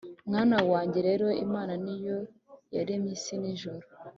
mwana wanjye rero imana ni yo yaremye isi n’ijuru